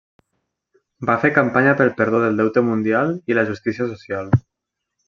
Va fer campanya pel perdó del deute mundial i la justícia social.